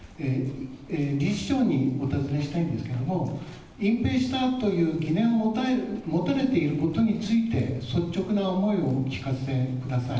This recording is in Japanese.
理事長にお尋ねしたいんですけれども、隠ぺいしたという疑念を持たれていることについて、率直な思いをお聞かせください。